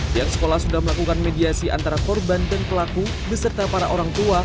pihak sekolah sudah melakukan mediasi antara korban dan pelaku beserta para orang tua